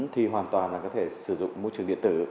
thì hoàn toàn là có thể sử dụng môi trường điện tử